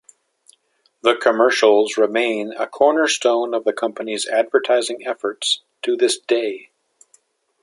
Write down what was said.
The commercials remain a cornerstone of the company's advertising efforts to this day.